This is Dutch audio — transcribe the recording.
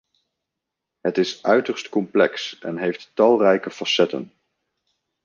Het is uiterst complex en heeft talrijke facetten.